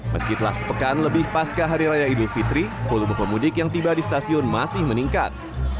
meskipun sepekan lebih pasca hari raya idul fitri volume pemudik yang tiba di stasiun masih meningkat